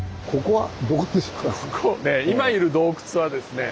今いる洞窟はですね